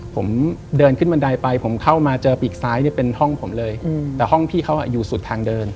ผมเดินขึ้นบันไดไปผมเข้ามาเจอปีกซ้ายเนี่ยเป็นห้องผมเลยแต่ห้องพี่เขาอยู่สุดทางเดิน